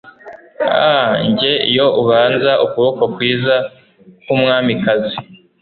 Ah njye iyo ubanza ukuboko kwiza kwumwamikazi